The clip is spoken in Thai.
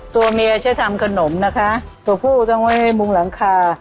ตัวเมียใช้ทำขนมนะคะตัวผู้ต้องไว้มุงหลังคา